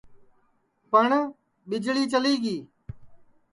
پٹؔ ٻیجݪی چلی گی